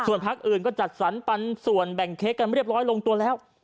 พักอื่นก็จัดสรรปันส่วนแบ่งเค้กกันเรียบร้อยลงตัวแล้ว